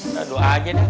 udah doa aja deh emak